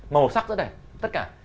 màu sắc rất đẹp tất cả